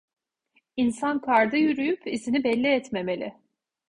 İnsan karda yürüyüp izini belli etmemeli…